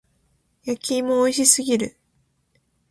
焼き芋美味しすぎる。